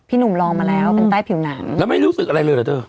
หนุ่มลองมาแล้วเป็นใต้ผิวหนังแล้วไม่รู้สึกอะไรเลยเหรอเธอ